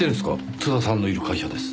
津田さんのいる会社です。